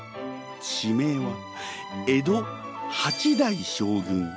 地名は江戸八代将軍